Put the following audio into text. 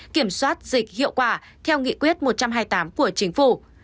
kiểm soát dịch hiệu quả theo nghị quyết một trăm hai mươi tám của chính phủ